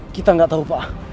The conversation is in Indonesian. kita gak tau pak